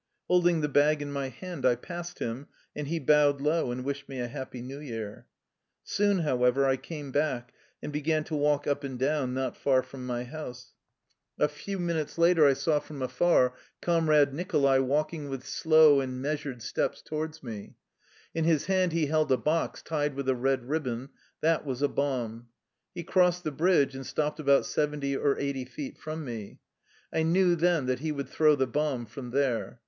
Holding the bag in my hand, I passed him, and he bowed low and wished me a happy New Year. Soon, however, I came back, and began to walk up and down not far from my house. A few 142 ш~^ THE LIFE STOBY OF A RUSSIAN EXILE minutes later I saw from afar Comrade Nicholai walking with slow and measured steps toward me. In Ms hand he held a box tied with a red ribbon: that was a bomb. He crossed the bridge, and stopped about seventy or eighty feet from me. I knew then that he would throw the bomb from there.